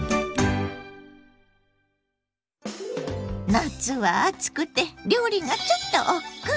夏は暑くて料理がちょっとおっくう。